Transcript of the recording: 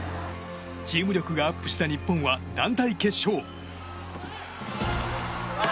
チーム力がアップした日本は団体決勝。